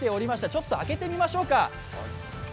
ちょっと開けてみましょうか。